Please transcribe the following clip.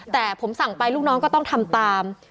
แต่ผมสั่งไปลูกน้องก็ต้องทำตาม